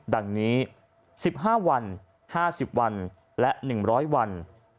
ดังนี้๑๕วัน๕๐วันและ๑๐๐วัน